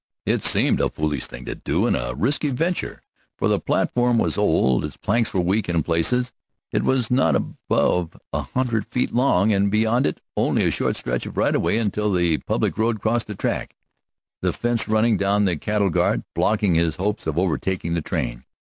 It seemed a foolish thing to do, and a risky venture, for the platform was old, its planks were weak in places. It was not above a hundred feet long, and beyond it only a short stretch of right of way until the public road crossed the track, the fence running down to the cattle guard, blocking his hope of overtaking the train.